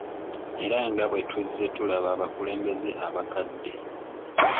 Era nga bwe tuzze tulaba abakulembeze abakadde.